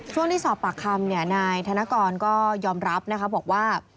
ช่วงที่สอบปากคำนายธนกรก็ยอมรับนะคะบอกว่า